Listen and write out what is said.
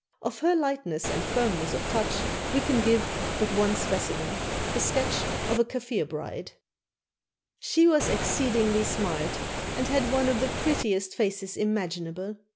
Of her lightness and firmness of touch we can give but one specimen, a sketch of a Kaffir bride: "She was exceedingly smart, and had one of the prettiest faces imaginable.